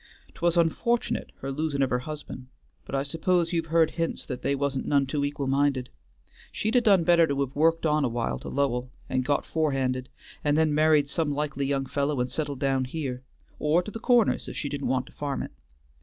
'Twas unfortunate her losin' of her husband, but I s'pose you've heard hints that they wa'n't none too equal minded. She'd a done better to have worked on a while to Lowell and got forehanded, and then married some likely young fellow and settled down here, or to the Corners if she didn't want to farm it.